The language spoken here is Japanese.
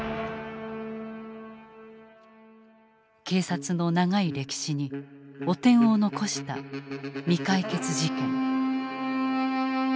警察の長い歴史に汚点を残した未解決事件。